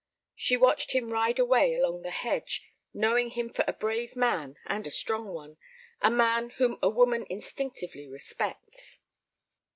She watched him ride away along the hedge, knowing him for a brave man and a strong one—a man whom a woman instinctively respects.